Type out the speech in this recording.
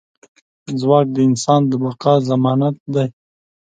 ځواک د انسان د بقا ضمانت دی.